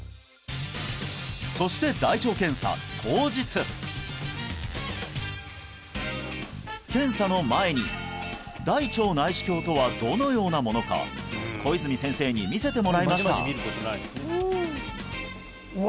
そして大腸検査の前に大腸内視鏡とはどのようなものか小泉先生に見せてもらいましたうわ